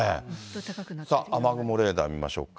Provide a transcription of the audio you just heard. さあ、雨雲レーダー見ましょうか。